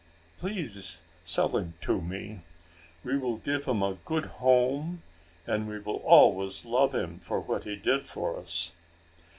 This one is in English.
Please sell him to me. We will give him a good home, and we will always love him, for what he did for us."